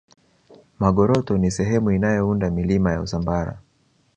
magoroto ni sehemu inayounda milima ya usambara